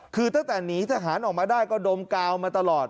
คือตั้งแต่หนีทหารออกมาได้ก็ดมกาวมาตลอด